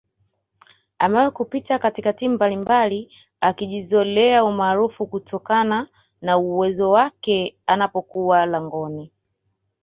amewahi kupita katika timu mbalimbali akijizoelea umaarufu kutokana na uwezowake anapokuwa langoni